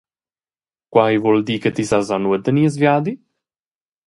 Quei vul dir che ti sas aunc nuot da nies viadi?